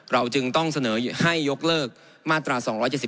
เราจึงต้องเสนอให้ยกเลิกมาตรา๒๗๒